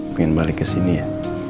pengen balik kesini ya